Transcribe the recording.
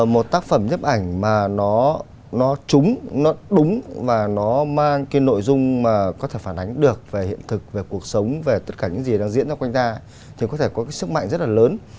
một tác phẩm nhếp ảnh mà nó trúng nó đúng và nó mang cái nội dung mà có thể phản ánh được về hiện thực về cuộc sống về tất cả những gì đang diễn ra quanh ta thì có thể có cái sức mạnh rất là lớn